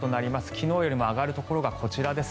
昨日よりも上がるところがこちらです。